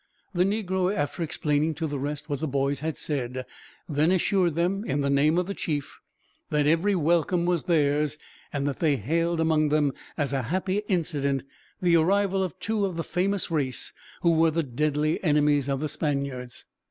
The negro, after explaining to the rest what the boys had said, then assured them, in the name of the chief, that every welcome was theirs; and that they hailed among them, as a happy incident, the arrival of two of the famous race who were the deadly enemies of the Spaniards.